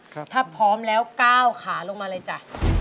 ถ้าพร้อมแล้วก้าวขาลงมาเลยจ้ะ